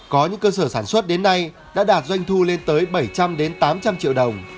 có những cơ sở sản xuất đến nay đã đạt doanh thu lên tới bảy trăm linh tám trăm linh triệu đồng